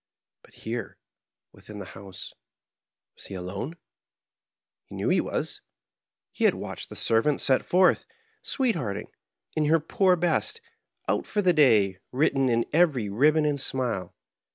But here, within the house, was he alone ? He knew he was ; he had watched the servant set forth sweethearting, in her poor best, "out for the day," written in every ribbon and smile.